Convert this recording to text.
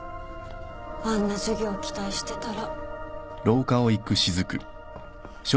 あんな授業期待してたら。